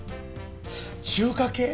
中華系？